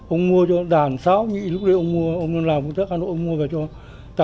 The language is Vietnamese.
ông mua cho đàn sáo nhị lúc đấy ông mua ông làm vậy đó